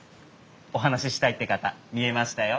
お話したいって方見えましたよ。